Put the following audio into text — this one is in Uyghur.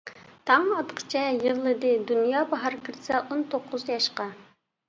تاڭ ئاتقىچە يىغلىدى دۇنيا، باھار كىرسە ئون توققۇز ياشقا.